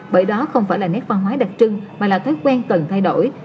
bởi đó không phải là nét văn hóa đặc trưng mà là thói quen cần thay đổi